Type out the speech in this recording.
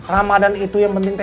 ramadhan itu yang penting